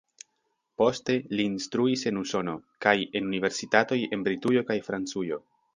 Poste li instruis en Usono kaj en universitatoj en Britujo kaj Francujo.